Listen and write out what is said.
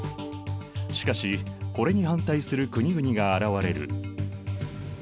しかしこれに反対する国々が現れる。